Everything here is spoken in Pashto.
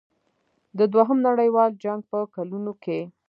د دوهم نړیوال جنګ په کلونو کې.